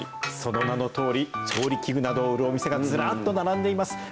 その名のとおり、調理器具などを売るお店がずらっと並んでいます。